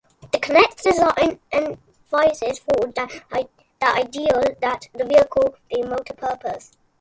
The Connect's design emphasizes Ford's ideal that the vehicle be multipurpose.